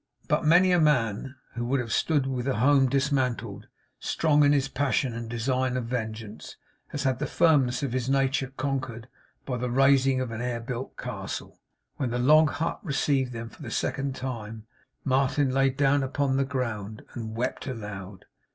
But many a man who would have stood within a home dismantled, strong in his passion and design of vengeance, has had the firmness of his nature conquered by the razing of an air built castle. When the log hut received them for the second time, Martin laid down upon the ground, and wept aloud.